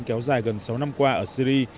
kéo dài gần sáu năm qua ở syri